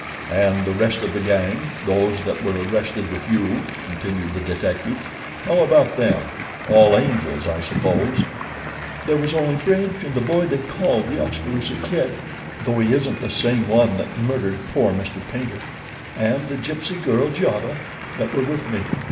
"And the rest of the gang, those that were arrested with you," continued the detective, "how about them? All angels, I suppose." "There was only Bridge and the boy they called The Oskaloosa Kid, though he isn't the same one that murdered poor Mr. Paynter, and the Gypsy girl, Giova, that were with me.